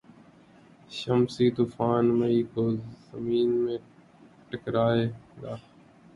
شمسی طوفان مئی کو زمین سے ٹکرائے گا